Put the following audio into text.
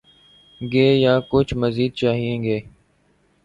گے یا کچھ مزید چاہیں گے؟